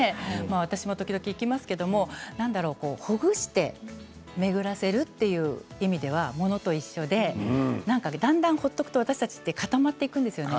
私も時々行きますけどほぐして巡らせるという意味では、ものと一緒でだんだん放っておくと私たちって固まっていくんですよね